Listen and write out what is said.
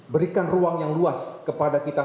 berikan ruang yang luas kepada kita